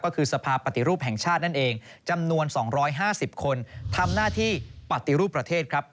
ก็คือสภาพปฏิรูปแห่งชาตินั่นเองจำนวน๒๕๐คนทำหน้าที่ปฏิรูปประเทศครับ